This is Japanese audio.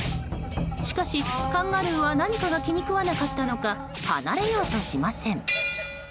しかし、カンガルーは何かが気に食わなかったのか離れようとしません。